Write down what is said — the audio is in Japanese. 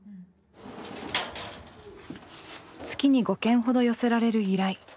月に５件ほど寄せられる依頼。